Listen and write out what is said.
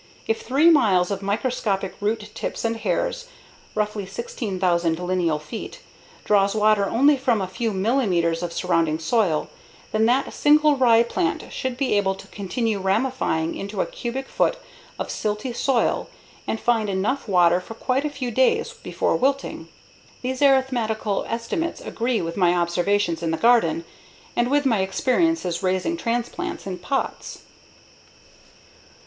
If 3 miles of microscopic root tips and hairs (roughly 16,000 lineal feet) draws water only from a few millimeters of surrounding soil, then that single rye plant should be able to continue ramifying into a cubic foot of silty soil and find enough water for quite a few days before wilting. These arithmetical estimates agree with my observations in the garden, and with my experiences raising transplants in pots.